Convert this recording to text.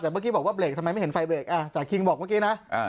แต่เมื่อกี้บอกว่าเบรกทำไมไม่เห็นไฟเบรกจากคิงบอกเมื่อกี้นะ